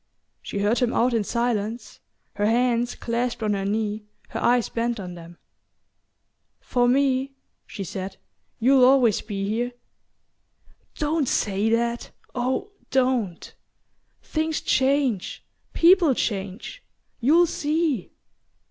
She heard him out in silence, her hands clasped on her knee, her eyes bent on them. "For me," she said, "you'll always be here." "Don't say that oh, don't! Things change ... people change...You'll see!"